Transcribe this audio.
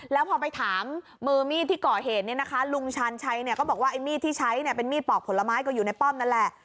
แล้วพอไปถามมือมีดที่ก่อเหตุเนี่ยนะคะลุงชาญชัยเนี่ยก็บอกว่าไอ้มีดที่ใช้เนี่ยเป็นมีดปอกผลไม้ก็อยู่ในป้อมนั่นแหละ